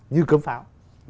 như cấm pháo